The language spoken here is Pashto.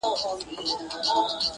د زاړه کفن کښ زوی شنل قبرونه-